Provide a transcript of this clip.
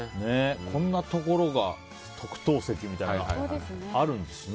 こんなところが特等席みたいなあるんですね。